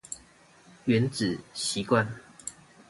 原子習慣